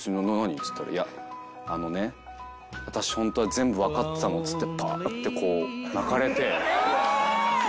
っつったら「あのね私本当は全部わかってたの」っつってパーッてこう泣かれて。